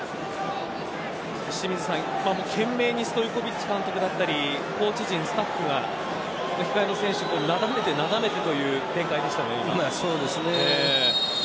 懸命にストイコヴィッチ監督だったりコーチ陣スタッフが控えの選手なだめて、なだめてという展開でしたね。